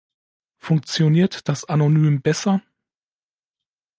Funktioniert das anonym besser?